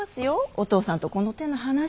お父さんとこの手の話は。